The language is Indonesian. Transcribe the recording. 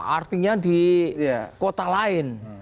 artinya di kota lain